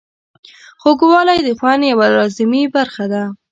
خوږوالی د خوند یوه لازمي برخه ده.